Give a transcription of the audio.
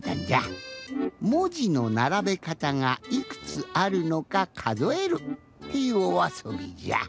もじのならべかたがいくつあるのかかぞえるっていうおあそびじゃ。